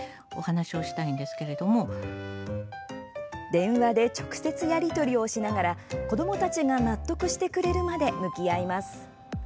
電話で直接やり取りをしながら子どもたちが納得してくれるまで向き合います。